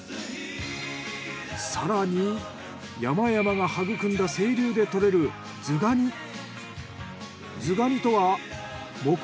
更に山々が育んだ清流でとれるズガニ。